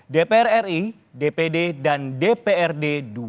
dpr ri dpd dan dprd dua ribu dua puluh empat